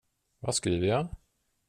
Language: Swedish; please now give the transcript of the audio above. Vad skriver jag?